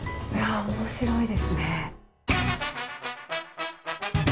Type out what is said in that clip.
面白いですね。